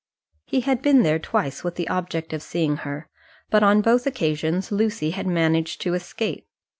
He had been there twice with the object of seeing her, but on both occasions Lucy had managed to escape.